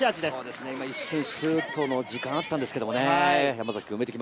一瞬、シュートの時間があったんですけれどね。